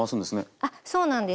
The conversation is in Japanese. あっそうなんです。